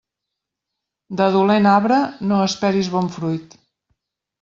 De dolent arbre, no esperis bon fruit.